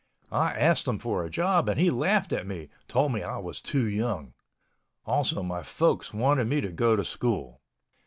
I asked him for a job and he laughed at me, told me I was too young. Also my folks wanted me to go to school.